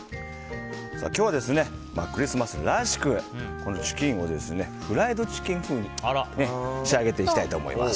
今日はクリスマスらしくチキンをフライドチキン風に仕上げていきたいと思います。